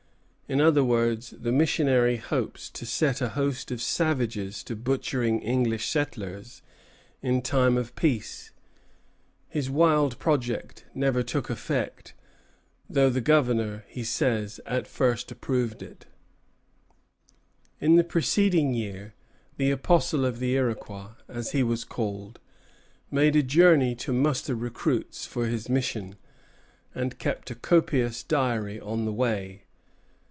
In other words, the missionary hopes to set a host of savages to butchering English settlers in time of peace! His wild project never took effect, though the Governor, he says, at first approved it. Appendix A. In the preceding year the "Apostle of the Iroquois," as he was called, made a journey to muster recruits for his mission, and kept a copious diary on the way.